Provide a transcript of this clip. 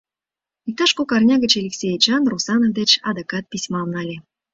Иктаж кок арня гыч Элексей Эчан Русанов деч адакат письмам нале.